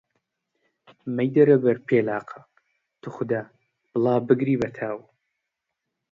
مەیدەرە بەر پێلەقە، توخودا، بڵا بگری بە تاو!